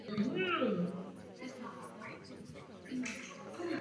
Farnost je dodnes obsazena sídelním duchovním správcem.